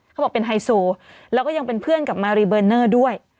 เขาบอกเป็นไฮโซแล้วก็ยังเป็นเพื่อนกับมารีเบอร์เนอร์ด้วย